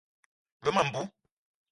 Ve ma mbou.